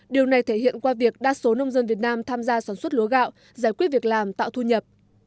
điều này thể hiện qua việc đa số nông dân việt nam tham gia sản xuất lúa gạo giải quyết việc làm tạo thu nhập